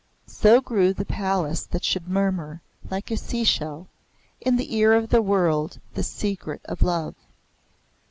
So grew the palace that should murmur, like a seashell, in the ear of the world the secret of love.